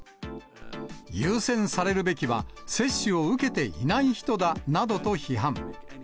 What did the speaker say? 優先されるべきは、接種を受けていない人だなどと批判。